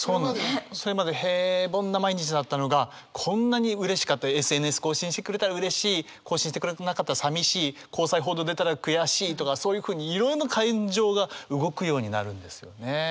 それまで平凡な毎日だったのがこんなにうれしかったＳＮＳ更新してくれたらうれしい更新してくれなかったらさみしい交際報道出たら悔しいとかそういうふうにいろんな感情が動くようになるんですよね。